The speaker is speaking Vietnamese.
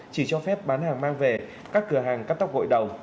chỉ cho phép bán hàng mang về các cửa hàng cắt tóc gội đầu